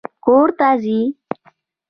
کور ته ځې!